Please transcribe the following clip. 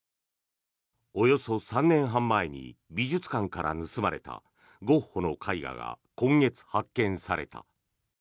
およそ３年半前に美術館から盗まれたゴッホの絵画が今月発見された。